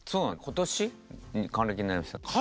今年還暦になりましたね。